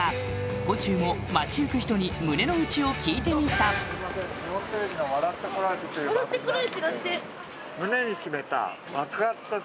今週も街行く人に胸の内を聞いてみたすいません。